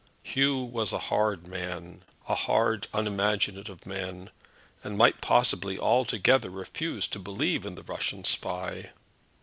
Hugh was a hard man, a hard, unimaginative man, and might possibly altogether refuse to believe in the Russian spy.